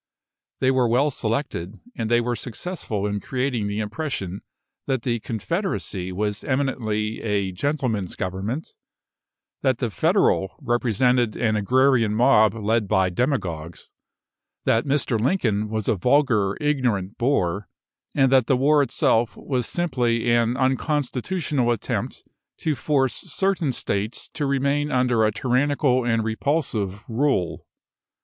They were well selected, and they were successful in creating the impression that the Confederacy was eminently "a gentleman's government" that the Federal represented an agrarian mob led by demagogues that Mr. Lincoln was a vulgar, ignorant boor and that the war itself was simply an unconstitutional attempt to force certain states to remain under a tyrannical and repulsive rule.